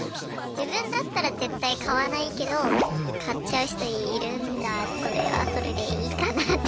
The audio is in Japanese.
自分だったら絶対買わないけど買っちゃう人いるんだそれはそれでいいかなって。